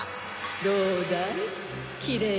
どうだい？